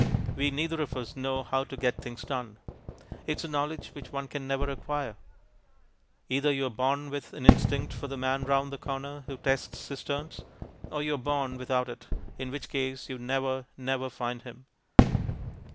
We neither of us know how to get things done. It is a knowledge which one can never acquire. Either you are born with an instinct for the man round the corner who tests cisterns, or you are born without it, in which case you never, never find him.